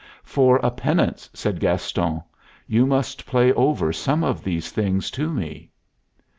"For a penance," said Gaston, "you must play over some of these things to me."